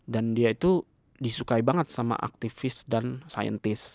dia itu disukai banget sama aktivis dan saintis